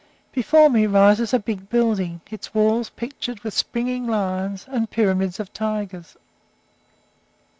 Before me rises a big building, its walls pictured with springing lions and pyramids of tigers.